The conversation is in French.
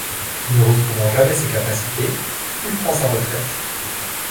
Ne retrouvant jamais ses capacités, il prend sa retraite.